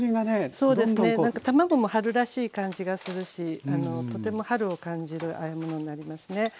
そうですね何か卵も春らしい感じがするしとても春を感じるあえ物になりますね。